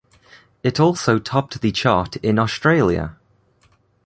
It also topped the chart in Australia.